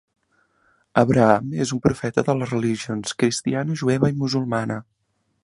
Abraham és un profeta de les religions cristiana, jueva i musulmana